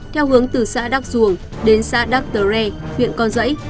theo hướng từ xã đắc duồng đến xã đắc tờ rê huyện con dãy